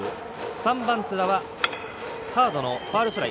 ３番、津田はサードファウルフライ。